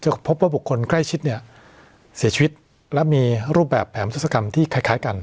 พบว่าบุคคลใกล้ชิดเนี่ยเสียชีวิตและมีรูปแบบแผนพุทธศกรรมที่คล้ายคล้ายกัน